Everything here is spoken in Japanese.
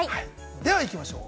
では行きましょう。